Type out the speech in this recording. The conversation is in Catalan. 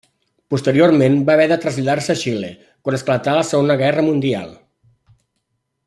Posteriorment, va haver de traslladar-se a Xile quan esclatà la Segona Guerra Mundial.